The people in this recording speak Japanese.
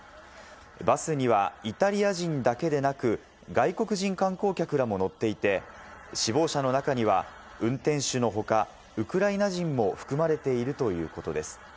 バスにはイタリア人だけでなく外国人観光客らも乗っていて、死亡者の中には運転手の他、ウクライナ人も含まれているということです。